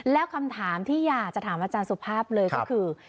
แล้วคำถามที่อยากจะถามอาจารย์สุภาพเลยก็คือ